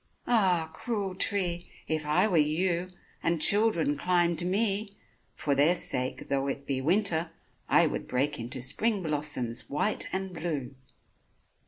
Ah! cruel tree! if I were you, And children climbed me, for their sake Though it be winter I would break Into spring blossoms white and blue!